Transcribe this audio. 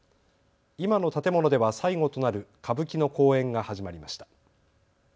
今の建物では最後となる歌舞伎の公演が始まりました。